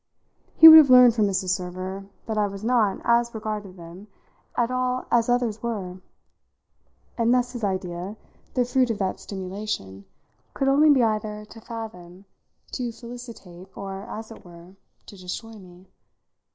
He would have learned from Mrs. Server that I was not, as regarded them, at all as others were; and thus his idea, the fruit of that stimulation, could only be either to fathom, to felicitate, or as it were to destroy me.